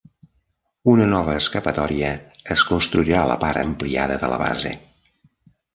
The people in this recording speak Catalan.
Una nova escapatòria es construirà a la part ampliada de la base.